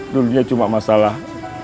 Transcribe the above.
dulunya cuma masalah